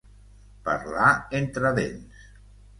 Parlar entre dents.